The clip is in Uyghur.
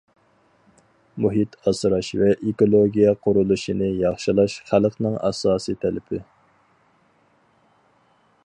مۇھىت ئاسراش ۋە ئېكولوگىيە قۇرۇلۇشىنى ياخشىلاش خەلقنىڭ ئاساسىي تەلىپى.